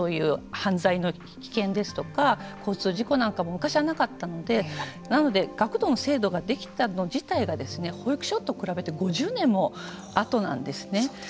犯罪の危険ですとか交通事故なんかも昔はなかったのでなので学童の制度ができたの自体が保育所と比べて５０年も後なんですね。